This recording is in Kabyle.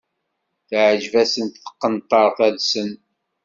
Teεǧeb-asen tqenṭert-nsen.